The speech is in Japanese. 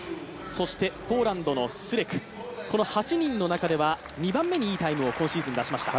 そしてポーランドのスレク、この８人の中では２番目にいいタイムを今シーズン出しました。